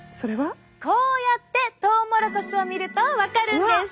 こうやってトウモロコシを見ると分かるんです。